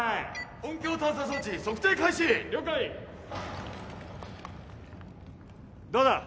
音響探査装置測定開始了解どうだ？